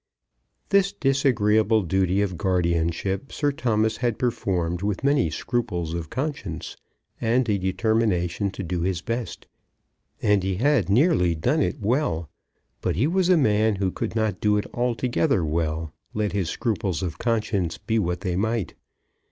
This disagreeable duty of guardianship Sir Thomas had performed with many scruples of conscience, and a determination to do his best; and he had nearly done it well. But he was a man who could not do it altogether well, let his scruples of conscience be what they might.